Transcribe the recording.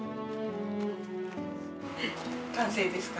・完成ですか？